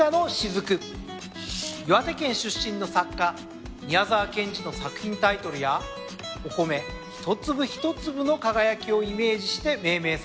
岩手県出身の作家宮沢賢治の作品タイトルやお米一粒一粒の輝きをイメージして命名されました。